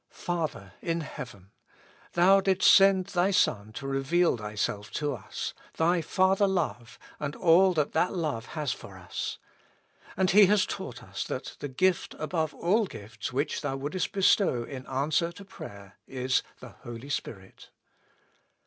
Father in heaven ! Thou didst send Thy Son to reveal Thyself to us, thy Father love, and all that that love has for us. And He has taught us, that the 6i With Christ in the School of Prayer. gift above all gifts which Thou wouldest bestow in answer to prayer is, the Holy Spirit.